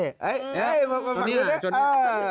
เห้ยเผาอยู่นี่จนกล้า